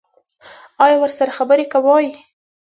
ایا ورسره خبرې کوئ؟